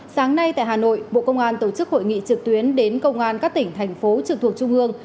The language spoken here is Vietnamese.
sáng nay tại hà nội bộ công an tổ chức hội nghị trực tuyến đến công an các tỉnh thành phố trực thuộc trung ương